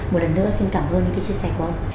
một lần nữa xin cảm ơn những cái chia sẻ của ông